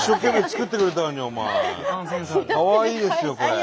かわいいですよこれ。